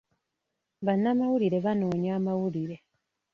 Bannamawulire banoonya amawulire.